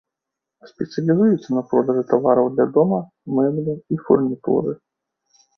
Спецыялізуецца на продажы тавараў для дома, мэблі і фурнітуры.